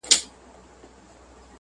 په پام کي نيولو سره